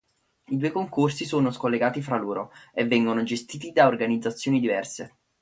I due concorsi sono scollegati fra loro e vengono gestiti da organizzazioni diverse.